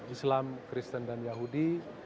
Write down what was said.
islam kristen dan yahudi